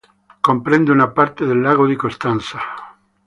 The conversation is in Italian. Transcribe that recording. Comprende una parte del lago di Costanza.